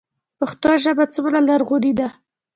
پښتو ژبه څومره لرغونې ده؟